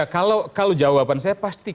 kalau jawaban saya pasti